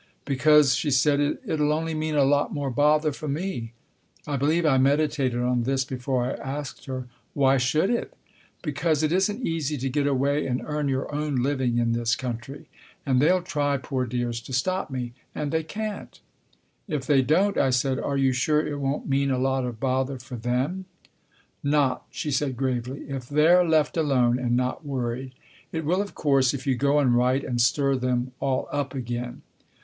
" Because," she said, " it'll only mean a lot more bother for me." I believe I meditated on this before I asked her, " Why should it ?"" Because it isn't easy to get away and earn your own living in this country. And they'll try, poor dears, to stop me. And they can't." " If they don't," I said, " are you sure it won't mean a lot of bother for them P "" Not," she said gravely, " if they're left alone and not worried. It will, of course, if you go and write and stir them all up again."